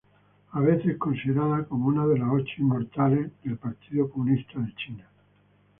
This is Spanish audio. A veces considerada como una de los Ocho Inmortales del Partido Comunista de China.